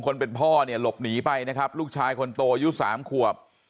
คนเป็นพ่อเนี่ยหลบหนีไปนะครับลูกชายคนโตอายุสามขวบ